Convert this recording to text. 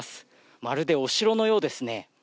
まるでお城のようですね。